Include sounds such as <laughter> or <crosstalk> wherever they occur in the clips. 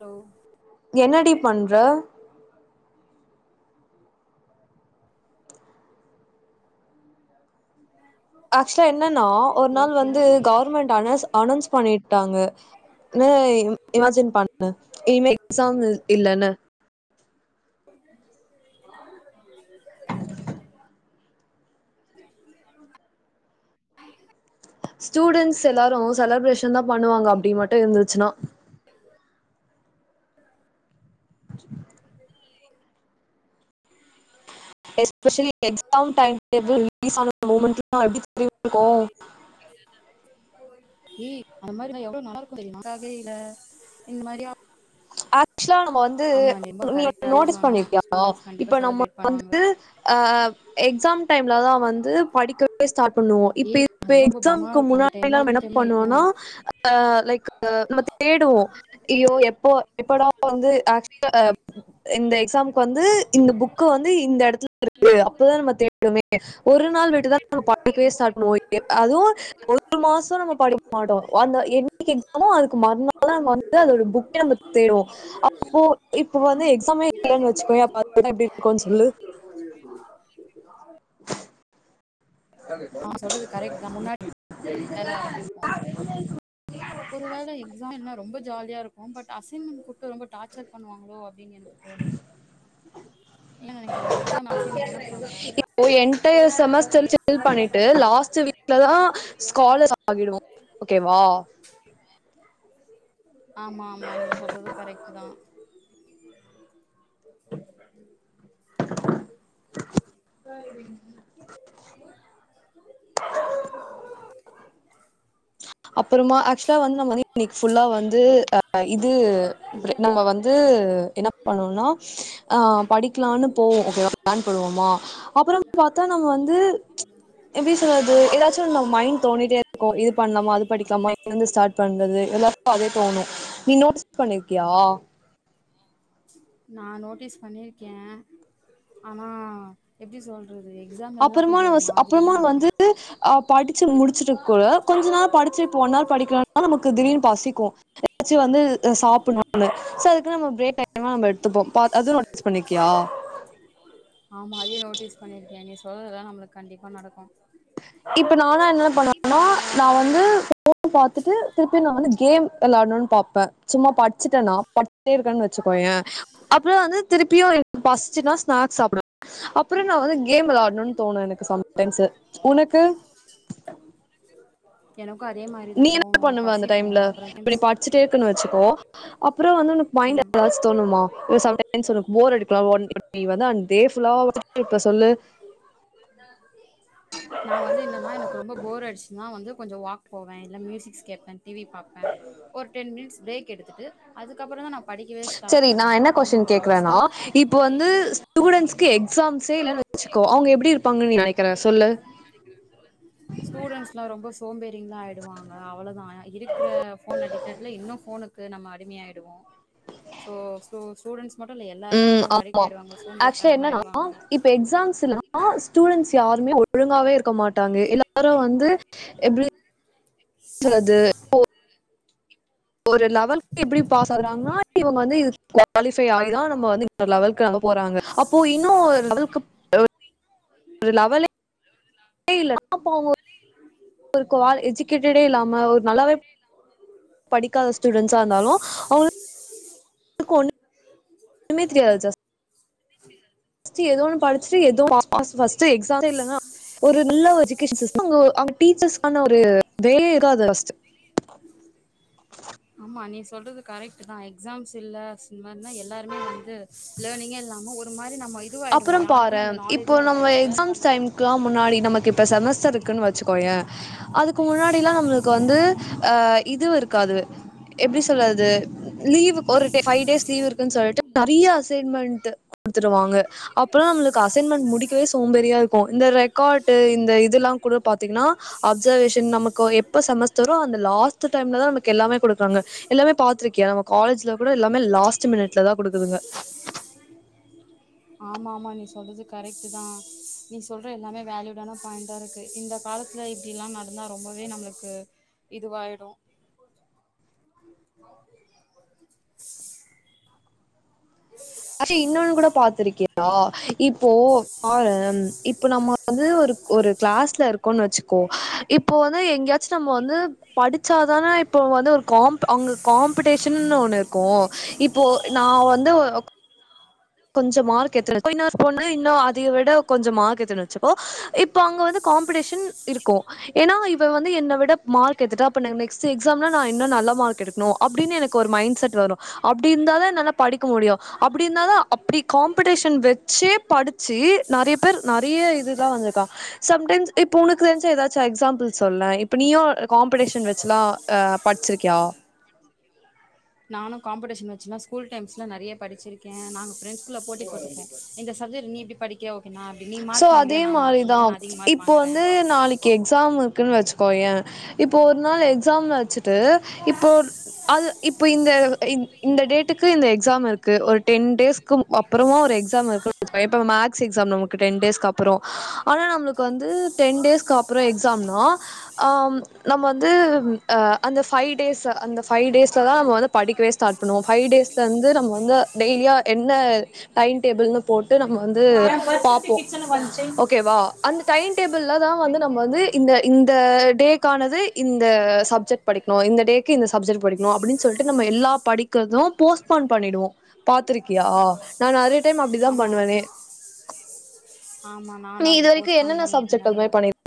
hello என்னடி பண்ற ஹ ஆக்சுவலா என்னன்னா ஒரு நாள் வந்து கவர்மெண்ட் அனஸ் அனோன்ஸ் பண்ணிட்டாங்க னு இம் இமஜின் பண்ணு இனி எக்ஸாம் இல் இல்லன்னு <inaudible> ஸ்டூடெண்ட்ஸ் எல்லாரு செலப்ரேஷன் தா பண்ணுவாங்க அப்டின் மட்டு இருந்துச்சுன்னா ச <unintelligible> especially exam time table release ஆன மூமெண்ட்லா எப்படி தெரியுமா இருக்கும் ங்கேம சாத ஏ அந்த மாதிரி இருந்தா எவ்ளோ நல்லா இருக்கு தெரியுமா நல்லாவே இல்ல இந்த மாதிரியு ஆக்சுவலா நம்ம வந்து ரொம்ப நீ கரெக்டாவே நோட்டீஸ் சொன்ன பண்ணிருக்கியா ஸ்டூடெண்ட்ஸ் கண்டிப்பா இப்ப நம்ம செலிப்ரேட் பண்ணுவாங்க வந்து அ எக்ஸாம் டைம்ல தா வந்து படிக்கவே ஸ்டார்ட் பண்ணுவோ இப்ப ஏய் இது இப்ப அதெல்லா ரொம்ப பயமா எக்ஸாம்க்கு இருக்கு அந்த முன்னாடி எல்லா டைம்ல எப்டி என்ன தெரியுமா இருக்கு பண்ணுவோனா அலைக் நம்ம தேடுவோ ஐயோ எப்போ எப்படா வந்து ஆக்ச <unintelligible> இந்த எக்ஸாம்க்கு வந்து இந்த புக்கு வந்து இந்த இடத்துல <unintelligible> அப்பதா நம்மதே வமே ஒரு நாள் விட்டுதா நம்ம படிக்கவே ஸ்டார்ட் பண்ணோ அதுவும் ஒரு மாசோ படிக்மாட்டோ அந்த என்னைக்கு எக்ஸாமோ அதுக்கு மறுநாள் நம்ம வந்து அதோட புக்க நம்ம தே அப்போ இப்ப வந்து எக்ஸாமே இல்லன்னு வச்சுக்கோயே அப்ப அந்த எடோ எப்டி இருக்கும்னு சொல்லு <unintelligible> நா சொல்றது கரெக்ட் தா முன்னாடி விளையாட ஆரம்பிப்போ <inaudible> ஒரு வேளை எக்ஸாம் இல்னா ரொம்ப ஜாலியா இருக்கும் பட் அசைன்மெண்ட் கூட்டு ரொம்ப டார்ச்சர் பண்ணுவாங்களோ அப்டின்னு எனக்கு தோணுது <inaudible> நீ என்ன நெனைக்கிறா எக்ஸாம் அசைமெண்ட் தான வப்பாங்க ஓ என்டயர் செமஸ்டர் செ ஃபில் பண்ணிட்டு லாஸ்ட் வீக்ல தா ஸாகாலர் ஆகி டுவோ ஓகேவா ஆமா ஆமா நீ சொல்றது கரெக்ட் தா <inaudible> <inaudible> சரிங் <inaudible> அப்றமா ஆக்சுவலா வந்து இன்னைக்கு ஃபுல்லா வந்து இது நம்ம வந்து வந்து என்ன பண்ணணும்னா அ படிக்கலான்னு போவோ ஓகே வா ப்ளான் பண்ணுவோமா அப்றோ பாத்தா நம்ம வந்து எப்டி சொல்றது ஏதாச்சும் நம்ம மைண்ட் தோண்டிட்டே இருக்கும் இது பண்லாமா அது படிக்கலாமா இந்தது ஸ்டார்ட் பண்றது எல்லாரும்க்கும் அதே தோணூ நீ நோட்டீஸ் பண்ணிருக்கியா நா நோட்டீஸ் பண்ணிருக்கே ஆனா எப்டி சொல் றது எக்ஸாம் எல்லாம் கொஞ்சோ ஒரு மாதிரி தா இருக்கு அ படிச்சு முச்சுட்டு கூட கொஞ்ச நா படிச்சு போனா படிக்கிறனா நமக்கு திடீனு பசிக்கும் <unintelligible> வந்து சாப்னூல சோ அதுக்கு நம்ம பிரேக் டைம் தா நம்ப எடுத்துப்போ அதுவும் நோட்டீஸ் பண்ணிக்கியா ஆமா அதையு நோட்டீஸ் பண்ணிருக்கேன் நீ சொல்றதுெல்லாம் நம்மளுக்கு கண்டிப்பா நடக்கும் இப்ப நானா என்ன பண்ணுவேனா நா வந்து ஃபோன் பாத்துட்டு திருப்பி நா வந்து கேம் வெளாடணும்னு பாப்பே இப்ப சும்மா படிச்சுட்டேன்னா பட்டே இருக்கேன்னு வச்சுக்கோயே அப்றோம் வந்து திருப்பியு ஃபஸ்ட் பசிச்சுன்னா ஸ்னாக்ஸ் சாப்டுவேன் அப்புறோம் நா வந்து கேம் வெளையாடணும்னு தோணு எனக்கு சம்டைம்ஸ் உனக்கு எனக்கு அதே மாரி நீ தான் என்ன தோணும் பண்ணுவ அந்த பசிக்கும் டைம்ல அப்புறம் இப்ப நீ டைம்ஸ் படிச்சுட்டே இருக்கன்னு வச்சுக்கோ அப்றோ வந்து அந்த பாயிண்ட் ம் ஏதாச்சும் தோணுமா ஒரு சம்டைம்ஸ் ஒனக்கு போர்அடித்தாவோ நீ வந்து அந் டே ஃபுல்லா வச் இப்ப சொல்லு நா வந்து என்னன்னா எனக்கு ரொம்ப போர் ஆடுச்சுச்சுனா வந்து கொஞ்சோம் வாக் போவே இல்ல மியூசிக்ஸ் கேப்பேன் டிவி பாப்பேன் ஒரு டென் மினிட்ஸ் பிரேக் எடுத்துட்டு அதுகப்றோமா நா செரி நான் என்ன கொஸ்டின் கேக்குறேனா இப்ப வந்து ஸ்டூடெண்ட்ஸ்கு எக்ஸாம்ஸே இல்லன்னு வச்சுக்கோ அவுங்க எப்டி இருப்பாங்கன் நீ நெனைக்கிற சொல்லு நீ நடிக்கிறே சொல் ஸ்டூடெண்ட்ஸ்லா ரொம்பச் சோம்பேரிங்லா ஆய்டுவாங்க அவ்ளோதா இருக்ற ஃபோன் அடிக்டட்ல இன்னு ஃபோனுக்கு நம்ம அடிமையாய்டுவோ சோ ஸ்டூ ஸ்டூடெண்ட்ஸ் மட்டு இல்ல எல்லாருமே ம் வந்து ரொம்ப அடிக்ட் ஆயிடுவாங்க சோம்பேறித்தனமா ஆய்டுவாங்க எக்ஸாம்ஸுலா ஸ்டூடெண்ட்ஸ் யாருமே ஒழுங்காவே இருக்க மாட்டாங்க எ எல்லாரு வந்து எப்டி சொல்லது சோ அது ஒரு லெவல்க்கு எப்டி பாஸ் ஆகுறாங்னா இவுங்க வந்து இது குவாலிஃபை ஆகிதா நம்ம வந்து ஒரு லெவல்க்கு அவுங்க போறாங்க அப்போ இன்னு ஒரு லெவல்க்கு <unintelligible> ஒரு லெவலே <inaudible> அப்ப அவுங்க ஒரு ஒரு குவால எஜுகேட்டடே இல்லாம ஒரு நல்லாவேப் படிக்காத ஸ்டூடெண்ட்ஸா இருந்தாலு அவு <unintelligible> துக்கு ஒன்னு னுமேத் தெரியா அது ஜஸ் ஸ்ட்டு எதோ ஒன்னு படிச்சுட்டு எதுவு பாஸ் பாஸ் ஃபர்ஸ்ட்டு எக்ஸாம்சே இல்லனா ஒரு நல்ல ஒ எஜுகேஷன் சிஸ் <unintelligible> ஆமா நீ சொல்றது கரெக்ட்டுதா எக்ஸாம்ஸு இல்லச் இந் மாரினா எல்லாருமே வந்து லேர்னிங்கே இல்லாம ஒரு மாரி நம்ம இத் அப்புறம் பாரேம் இப்போ நம்ம லேர்ன் எக்ஸாம்ஸ் பண்ணவே டைம்கா முடியாது முன்னாடி நமக்கு இப்ப செமஸ்டர் ருக்குன் வெ ச்சிக்கோயே அதுக்கு முன்னாடிலா நம்ளுக்கு வந்து அ இதுவு இருக்காதுவெ எப்டி சொல்லது லீவுக் ஒரு டே ஒரு ஃபைவ் டேஸ் லீவு இருக்குன் சொல்ட்டு நெறைய அசைன்மெண்ட்டு குடுத்துருவாங்க அப்றோ நம்ளுக் க்க அசைன்மெண்ட் முடிக்கவே சோம்பேறியா இருக்கு இந்த ரெக்காட்டு இந்த இதெல்லாங் கூட பாத்தீங்கினா அப்சர்வேஷன் நமக்கோ எப்ப செமஸ்டரோ அந்த லாஸ்ட்டு டைம்லதா நமக் கு எல்லாமே குடுக்றாங்க எல்லாமே பாத்ருக்கியா நம்ம காலேஜ்ல கூட எல்லாமே லாஸ்ட்டு மினிட்லதா குடுக்குதுங்க ஆமா ஆமா நீ சொல்றது கரெக்ட்டுதா நீ சொல்ற எல்லாமே வேல்யூடான பாயிண்டா இருக்கு இந்த காலத் ல இப்டிலா நடந்தா ரொம்பவே நம்ளக்கு இதுவாயிடு ஆ அர்ஷி இன்னொனு கூடப் பாத்திருக்கியா இப்போ பாரேம் இப்ப நம்ம வந்து ஒருக் ஒரு கிளாஸ்ல இருக்கன் வெச்சுக்கோ இப்போ வந்து எங்யாச்சு நம்ம வந்து படிச்சாதானே இப்போ வந்து ஒருக் காம்ப்பு அங்க காம்ப்படேஷன்னு ஒன்னு இருக்கு இப்போ நா வந்து ஒக் கொஞ்சம் மார்க் எத்துனுருக்கு இன்னொருப் பொண்ணு இன்னு அதைய விட கொஞ்சம் மார்க் எத்துன வெச்சுப்போ இப்போ அங்க வந்து காம்ப்படிஷன் இருக்கு எனா இவெ வந்து என்ன விட மார்க் எத்துட்டா அப்ப நெ நெக்ஸ்ட்டு எக்ஸாம்னா நா இன்னு நல்ல மார்க்கு எடுக் னு அப்டின்னு எனக்கு ஒரு மைண்ட் செட் வரு அப்டி இந்தாதா என்னாலப் படிக்க முடியு அப்டி இந்தாதா அப் இப்டி காம்ப்படிஷன் வெச்சே படிச்சி நெறையப் பேர் நெறைய இதுதா வந்திருக்கா சம்டைம்ஸ் இப்ப உனுக்கு தெஞ்ச எதாச்சு எக்ஸாம்பிள் சொல்லே இப்ப நீயூ காம்ப்படிஷன் வெச்சிலா அ படிச்சிருக்யா நானு காம்ப்பட்டேஷன் வெச்சுானா ஸ்கூல் டைம்ஸ்ல நெறையப் படிச்சிருக்கே நாங்க ஃப்ரண்ட்ஸ் குல்ல போட்டி போட்டுப்போ இந்த சப்ஜெர் நீ இப்டி படிக் கியா ஓகே நா அப்டி நீ சோ மார்க் வாங்குறியா அதே நா மார்க் உன்னோட நா அதிக மார்க் வாங்கறே கே எக்ஸாம் இருக்குன் வெச்சுக்கோயே இப்ப ஒரு நாள் எக்ஸாம் வெச்சுட் டு இப்போ ஒர் அது இப்போ இந்த டேட்டுக்கு இந்த எக்ஸாம் இருக்கு ஒரு டென் டேஸ்க்கு அப்புறோ ஒரு எக்ஸாம் இருக்கு ச்கோயே இப்ப மாக்ஸ் எக்ஸாம் நமக் டென் டேஸ்கு அப்புறோ ஆனா நம்மளுக்கு வந்து டென் டேஸ்கு அப்புறோ எக்ஸாம்னா ஆ நம்ம வந்து அ அந்த பைவ் டேஸ் அந்த பைவ் டேஸ்ல தா நம்ம வந்து படிக்கவே ஸ்டாட் அப்புனோ ஃபைவ் டேஸ்ல வந்து நம்ம வந்து டெய்லியா என்ன டைம் டேபிள்னு போட்டு நம்ம வந்து பா ஓ ஓகேவா அந்த டைன் டேபிள்ல தா வந்து நம்ம வந்து இந்த இந்தியா டேக்கானது இந்த சப்ஜெக்ட் படிக்ணு இந்த டேக்கு இந்த சப்ஜெக்ட் படிக்ணு அப்புடின் சொல்லிட்டு நம்ம எல்லா படிப் கதோ போஸ்ட்பான் பண்ணிடுவோ பாத்துருக்கியா நா நிறைய டைம் அப்டி தா ஆமா, பண்ணுவனே ஆமா நீ நானு இது அப்டி வரைக்கு போஸ்ட்பான் என்னென்ன பண்ணியிருக்கே சப்ஜெக்ட் அது மாரி நிறையவே பண்ணி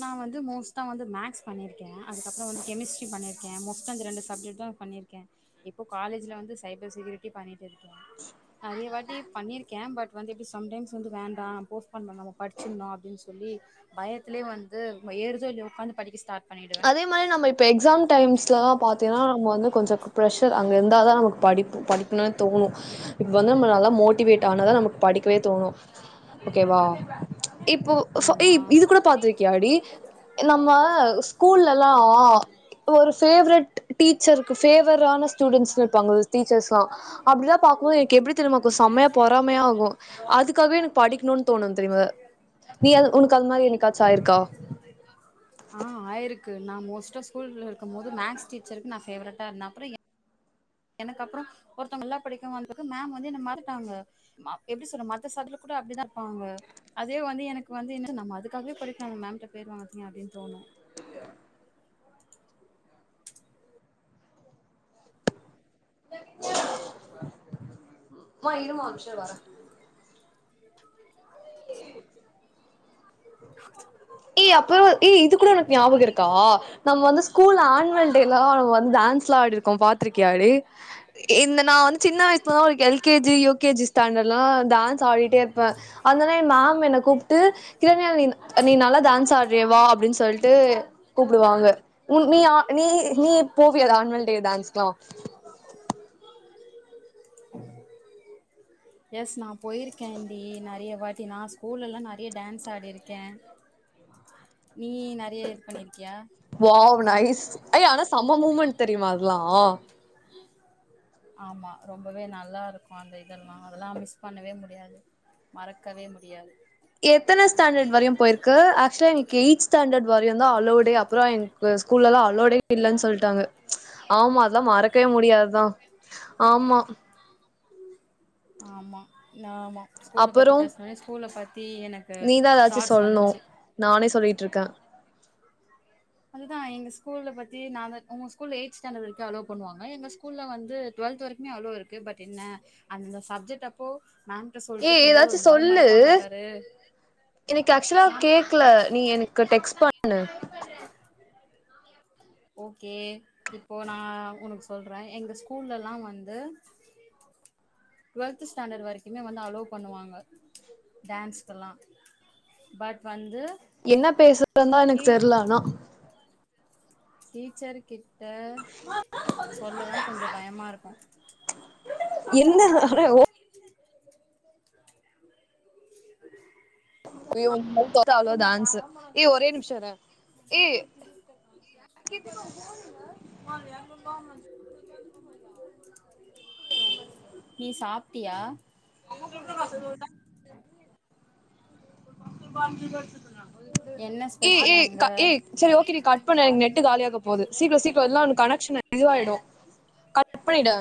நா வந்து மோஸ்ட வந்து மேக்ஸ் பண்ணிருக்கே அதுக்கப்புறோ வந்து கெமிஸ்ட்ரி பண்ணிருக்க மோஸ்டா இந்த ரெண்டு சப்ஜெக்ட் தா பண்ணிருக்கே இப்போ காலேஜ்ல வந்து சைகிள் செக்யூரிட்டி பண்ணிட் இருக்கே நெறைய வாட்டி பண்ணிருக்கே பட் வந்து இப்ப சம்டைம்ஸ் வந்து வேண்டா போஸ்ட்பான் பண்ணவு நம்ம படுச்சுருந்தோ அப்டின்னு சொல்லி பயத்திலயோ வந்து வயறுஞோ இல்யோ உக்காந்து படிக்க ஸ்டாட் அதே மாரி நம்ம இப் ப்ப எக்ஸாம் டைம்ஸ்லலா பாத்தீங்கனா நம்ம வந்து கொஞ்ச ப்ரெஷர் அங்க இருந்தா தா நமக்கு படிப் படிக்கணுனு தோணு வந்து நம்ம நல்லா மோட்டிவேட் ஆனதா நமக்கு படிக்கவே தோணு ஓகேவா இப்போ ஆமா இது கூட பாத்திருக்கியாடி நம்ம ஸ் கூல்லல்லா ஒரு ஃபேவரட் டீச்சர் ஃபேவரான ஸ்டூடெண்ட்ஸ்ன்னு இருப்பாங்க டீச்சர்ஸ்லா அப்டிதா பாக்கும்போது என்க்கு எப்டி திரும்மாருக்கு செம்மயா பொறாமையா ஆகு அதுக்காகவே எனக்கு படிக்கணுனு தோணு தெரிவு நீ அது உனக்கு அது மாரி என்னைக்காச்சு ஆயிருக்கா ஆ ஆயிருக்கு நா மோஸ்டா ஸ்கூல்ருக்கு போது மேக்ஸ் டீச்சருக்கு நா பேவரட்டா இருந்த அப்றோ எ எனக்கப்றோ ஒருத்தவ்ங்க நல்லா படிக்கவ வந்துகு மேம் வந்து என்ன மாற்டாங்க எப்டி சொல்ல மத்த சட்லு கூட அப்டிதா இருப்பாங்க அதே வந்து எனக்கு வந்து என்ன நம்ம அதுக்காகவே படிக்க நம்ம மேம்ட்ட பேர் வாங்கனு அப்டினு தோணு அம்மா இருமா ஒரு நிம்ஷோ வரே ஏய் அப்பறோ ஏய் இது கூட உனக்கு ஞாபகோ இருக்கா நம்ம வந்து ஸ் கூல் ஆன்வல் டேலா நம்ம வந்து டான்ஸ்லா ஆடிருக்கோ பாத்ருக்கயாடி இந்த நா வந்து சின்ன வயசுலலா ஒரு எல்கேஜி யுகேஜி ஸ்டாண்டர்ல்லா டான்ஸ் ஆடிட்டே இருப்பே அந்த உனே எ மேம் என்ன கூப்ட்டு கிரண்யா நீ நீ நல்லாடான்ஸ் ஆடுறியே வா அப்டின் ஸ் சொல்ட்டு கூப்டுவாங்க உ நீ நீ நீ போவியா அது ஆன்வல் டே டான்ஸ்க்ல்லா எஸ் நா போயிருக்கேன்டி நெறைய வாட்டி நா ஸ்கூல்லல்லா நெறைய டான்ஸ் ஆடிருக்கே நீ நெறைய இது பண்ணிருக்கியா வாவ் நைஸ் ஐய ஆனா செம மூமெண்ட் தெரியுமா அதெல்லா ஆமா ரொம்பவே நல்லா இருக்கு அந்த இதெல்லா அதெல்லா மிஸ் பண்ணவே முடியாது மறக்கவே முடியாது எத்தன ஸ்டாண்டர்ட் வரையு போயிருக்கு ஆக்சுவலா இன்னிக் எய்த் ஸ்டாண்டர்ட் வரையுதா அளோவ்டே அப்றோ என்க்கு ஸ்கூல்லல்லா அளோடே இல்லன்னு சொல்ட்டாங்க ஆமா அதா மறக்கவே முடியாதுதா ஆமா ஆமா ஆமா ஸ்கூல பத்தி அப்பறோ பேஸ்னொனே ஸ்கூல பத்தி எனக் நீதா எதாச்சு சொல்னு நானே சொல்லியிட்ருக்க அதுதா எங்க ஸ்கூல்ல பத்தி நாதா உங்க ஸ்கூல் எய்த் ஸ்டாண்டட் வரைக்கு அலோ பண்ணுவாங்க எங்க ஸ் கூல்ல வந்து டுவெல்த் வரைக்குமே அலோ இருக்கு பட் என்ன அந்தந்த சப்ஜெக்ட் அப்போ மேம்ட்ட ஏ சொல்ட்டு போம் போது ஏதாச்சு ஒரு மொற சொல்லு மொறப்பாங்க பாரு எனக்கு ஆக்ஷுலா நா கேக்ல நீ எனக்கு டெக்ஸ்ட் பண்ணு ஓகே இப்போ நா ஒனக்கு சொல்ற எங்க ஸ்கூல்லல்லா வந்து டுவெல்த்து ஸ்டாண்டட் வரைக்குமே வந்து அலோ பண்ணுவாங்க டான்ஸ்க்கல்லா பட் வந்து என்னா பேசுறந்தா எனக்கு தெர்ல ஆனா டீச்சருகிட்ட சொல்லலா கொஞ்சொ பயமா இருக்கு என்ன வர ஓ <inaudible> <inaudible> டான்ஸு ஏ ஒரே நிம்ஷோ இர ஏ நீ சாப்ட்டியா என்ன ஏ ஸ்பெஷல் ஏ க அங்க ஏ செரி ஓகே நீ கட் பண்ணு எனக் நெட்டு காலியாக போது சீக்ரொ சீக்ரொ எல்லா கனக்ஷன் இதுவாயிடு கட் பண்ணிடு